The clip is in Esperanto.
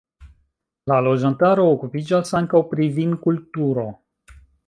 La loĝantaro okupiĝas ankaŭ pri vinkulturo.